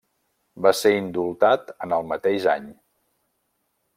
Va ser indultat en el mateix any.